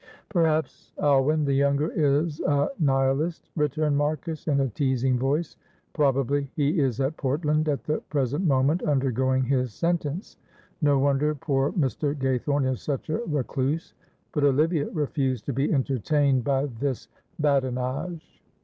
"'Perhaps Alwyn the younger is a Nihilist," returned Marcus, in a teasing voice. "Probably he is at Portland at the present moment, undergoing his sentence. No wonder poor Mr. Gaythorne is such a recluse;" but Olivia refused to be entertained by this badinage.